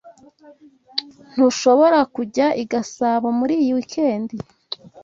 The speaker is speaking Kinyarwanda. Ntushobora kujya i Gasabo muri iyi weekend.